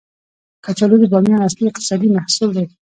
کچالو د بامیان اصلي اقتصادي محصول دی